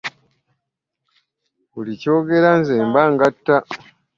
Buli ky'ogera nze mba ngatta.